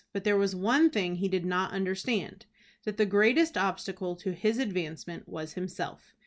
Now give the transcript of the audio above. But there was one thing he did not understand, that the greatest obstacle to his advancement was himself.